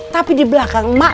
tapi di belakang mak